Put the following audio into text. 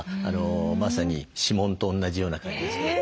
まさに指紋とおんなじような感じですね。